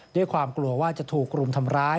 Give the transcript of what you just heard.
ด้วยความกลัวว่าจะถูกรุมทำร้าย